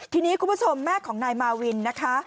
ทีนี้คุณผู้ชมแม่ของนายมาวินนะคะ